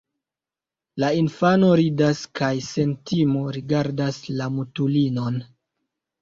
La infano ridas kaj sen timo rigardas la mutulinon.